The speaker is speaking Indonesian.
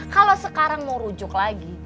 kalau sekarang mau rujuk lagi